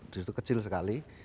di situ kecil sekali